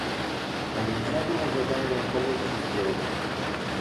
А нельзя было задания полегче сделать?